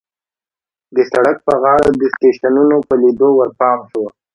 د سړک په غاړو د سټېشنونو په لیدو ورپام شو.